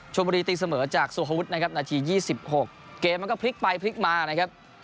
บุรีตีเสมอจากสุฮวุฒินะครับนาที๒๖เกมมันก็พลิกไปพลิกมานะครับ